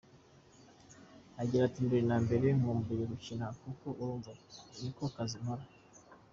Agira ati “Mbere na mbere nkumbuye gukina kuko urumva niko kazi nkora.